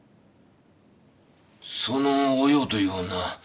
そのおようという女